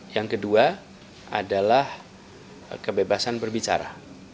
yang kedua adalah kebebasan berbicara